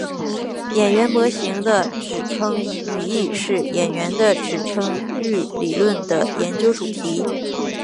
演员模型的指称语义是演员的指称域理论的研究主题。